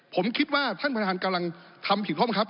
ผมคิดว่าท่านประธานกำลังทำผิดข้อบังคับ